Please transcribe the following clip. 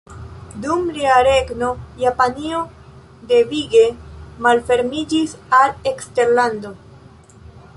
Dum lia regno Japanio devige malfermiĝis al eksterlando.